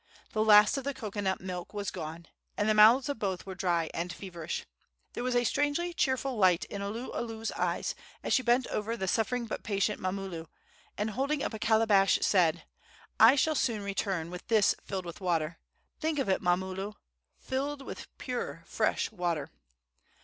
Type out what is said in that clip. The last of the cocoanut milk was gone, and the mouths of both were dry and feverish. There was a strangely cheerful light in Oluolu's eyes as she bent over the suffering but patient Mamulu, and, holding up a calabash, said: "I shall soon return with this filled with water! think of it, Mamulu! filled with pure, fresh water!"